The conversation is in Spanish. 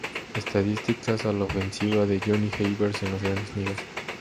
Estadísticas a la ofensiva de Johnny Evers en las Grandes Ligas.